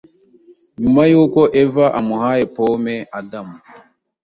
nyuma yuko Eva amuhaye pome; Adamu